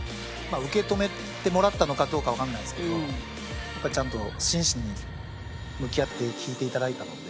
受け止めてもらったのかどうかはわかんないですけどちゃんと真摯に向き合って聞いていただいたので。